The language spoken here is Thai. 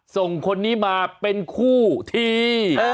ส่งคนนี้มาเป็นคู่ที่